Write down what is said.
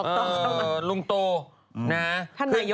สนับสนุนโดยดีที่สุดคือการให้ไม่สิ้นสุด